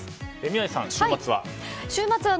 宮司さん、週末は？